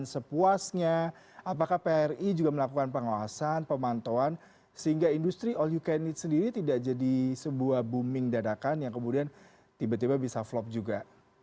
dan sepuasnya apakah pri juga melakukan pengawasan pemantauan sehingga industri all you can eat sendiri tidak jadi sebuah booming dadakan yang kemudian tiba tiba bisa flop juga